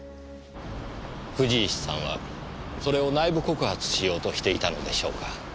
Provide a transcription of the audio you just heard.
藤石さんはそれを内部告発しようとしていたのでしょうか。